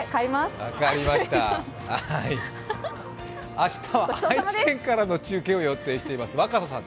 明日は愛知県からの中継を予定しています。